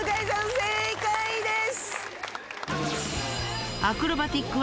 正解です。